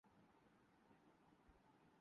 Kenya